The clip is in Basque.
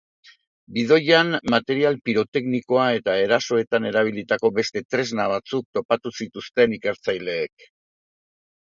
Bidoian material piroteknikoa eta erasoetan erabilitako beste tresna batzuk topatu zituzten ikertzaileek.